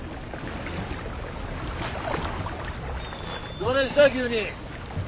どねえした急に。